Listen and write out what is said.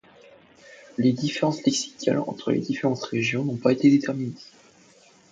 Les différences lexicales entre les différentes régions n'ont pas été déterminées.